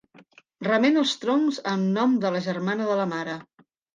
Remena els troncs en nom de la germana de la mare.